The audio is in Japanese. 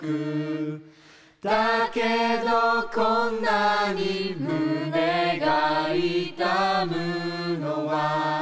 「だけどこんなに胸が痛むのは」